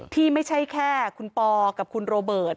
ที่ไม่ใช่แค่คุณปอกับคุณโรเบิร์ต